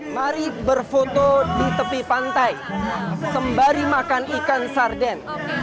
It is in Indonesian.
mari berfoto di tepi pantai sembari makan ikan sarden